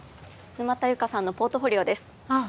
沼田侑香さんのポートフォリオですああ